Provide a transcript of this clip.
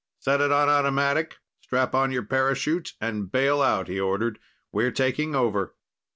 "Set it on automatic, strap on your parachute and bail out," he ordered. "We're taking over."